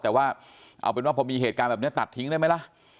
แต่ว่าเอาเป็นว่าพอมีเหตุการณ์แบบนี้ตัดทิ้งได้ไหมล่ะ